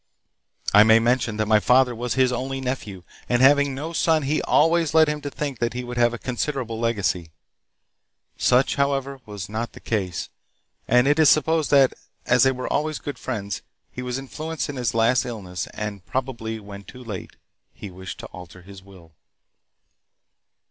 "I may mention that my father was his only nephew, and, having no son, he always led him to think that he would have a considerable legacy. Such, however, was not the case, and it is supposed that, as they were always good friends, he was influenced in his last illness, and probably, when too late, he wished to alter his will."